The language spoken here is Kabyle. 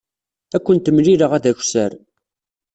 Ad kent-mlileɣ d akessar.